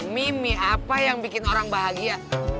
mimi apa yang bikin orang bahagia